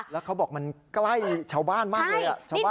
แล้วเขาบอกมันใกล้ชาวบ้านมากเลย